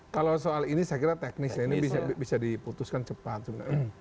kalau soal ini saya kira teknis ya ini bisa diputuskan cepat sebenarnya